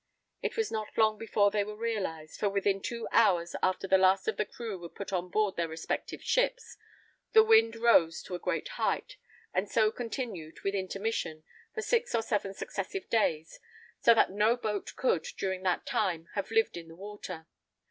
It was not long before they were realized, for within two hours after the last of the crew were put on board their respective ships, the wind rose to a great height, and so continued, with intermission, for six or seven successive days, so that no boat could, during that time, have lived in the water.